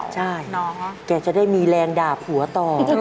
ใช่แกจะได้มีแรงดาบหัวต่อ